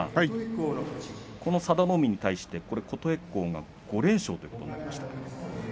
この佐田の海に対して琴恵光が５連勝ということになりました。